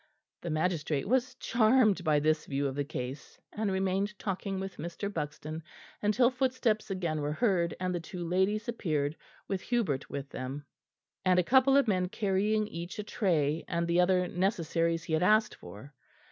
The magistrate was charmed by this view of the case, and remained talking with Mr. Buxton until footsteps again were heard, and the two ladies appeared, with Hubert with them, and a couple of men carrying each a tray and the other necessaries he had asked for.